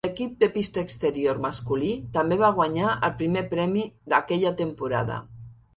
L'equip de pista exterior masculí també va guanyar el primer premi aquella temporada.